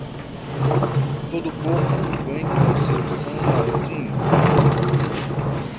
Todo porco vem ao seu San Martín.